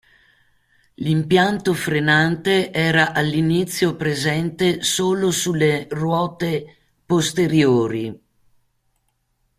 L'impianto frenante era all'inizio presente solo sulle ruote posteriori.